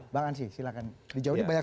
bang ansi silakan di jauh ini banyak